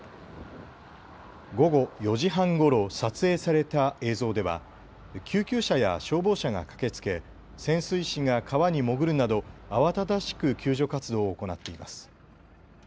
午後４時半ごろ、撮影された映像では救急車や消防車が駆けつけ潜水士が川に潜るなど慌ただしく救助活動を行っています。